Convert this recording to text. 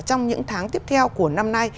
trong những tháng tiếp theo của năm nay